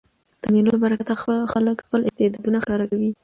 د مېلو له برکته خلک خپل استعدادونه ښکاره کوي.